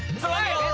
muncul di pokok